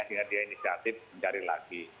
sehingga dia inisiatif mencari lagi